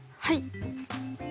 はい。